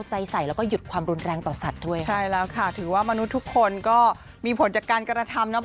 หรือว่ามนุษย์ทุกคนก็มีผลจากการการธรรมนะ